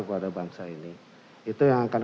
kepada bangsa ini itu yang akan